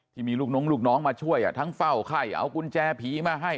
ที่มีลูกน้องลูกน้องมาช่วยทั้งเฝ้าไข้เอากุญแจผีมาให้